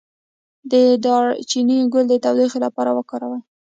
د دارچینی ګل د تودوخې لپاره وکاروئ